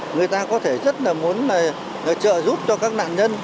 người ta có thể rất là muốn trợ giúp cho các nạn nhân